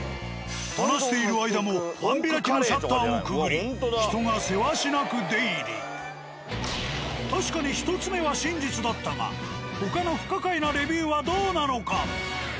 話している間も半開きのシャッターをくぐりせわしなく確かに１つ目は真実だったが他の不可解なレビューはどうなのか？